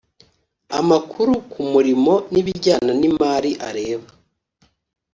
amakuru ku murimo n ibijyana n imari areba